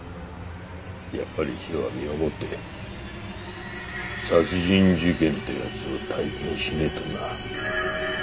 やっぱり一度は身をもって殺人事件ってやつを体験しねえとな。